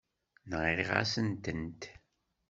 Nɣiɣ-asen-tent.